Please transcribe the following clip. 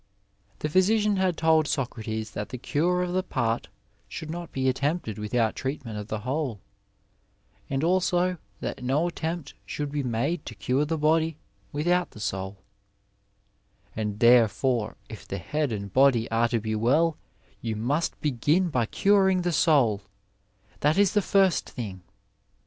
63 Digitized by Google PHYSIC AND PHYSICIANS cian had told Socrates that the cure of the part should not be attempted without treatment of the whole, and also that no attempt should be made to cure the body without the soul, '' and, therefore, if the head and body are to be well you must begin by curing the soul ; that is the first thing.